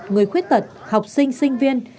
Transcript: người khuyết tật học sinh sinh viên